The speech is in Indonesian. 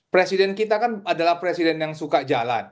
presiden kita kan adalah presiden yang suka jalan